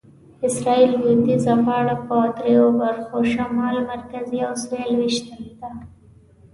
اسرایل لویدیځه غاړه په دریو برخو شمال، مرکزي او سویل وېشلې ده.